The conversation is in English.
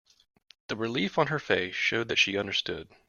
The relief on her face showed that she understood.